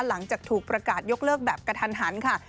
หลังจากถูกประกาศยกเลิกแบบกระทันหันค่ะ